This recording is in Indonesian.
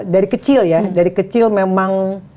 dari kecil ya dari kecil memang